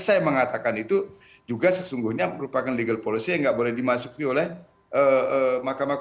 saya mengatakan itu juga sesungguhnya merupakan legal policy yang gak boleh dimasuki oleh mk